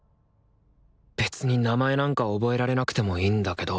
別に名前なんか覚えられなくてもいいんだけど。